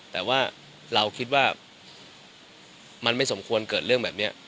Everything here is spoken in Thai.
แต่ว่าเราคิดว่ามันไม่สมควรเกิดเรื่องแบบนี้